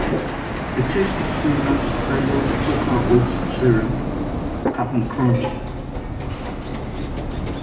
The taste is similar to fellow Quaker Oats cereal, Cap'n Crunch.